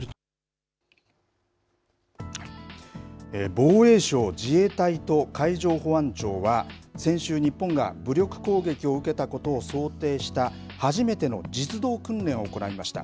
防衛省、自衛隊と海上保安庁は先週、日本が武力攻撃を受けたことを想定した初めての実動訓練を行いました。